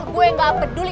gue nggak peduli